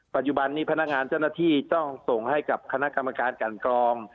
ปัจจุบันนี้พนักงานเจ้าหน้าที่ต้องส่งให้กับคณะกรรมการกันกรอง